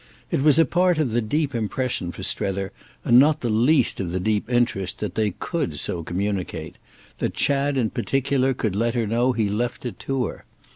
It was a part of the deep impression for Strether, and not the least of the deep interest, that they could so communicate—that Chad in particular could let her know he left it to her.